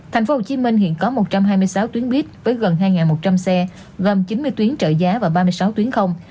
thành phố hồ chí minh hiện có một trăm hai mươi sáu tuyến buýt với gần hai một trăm linh xe gồm chín mươi tuyến trợ giá và ba mươi sáu tuyến không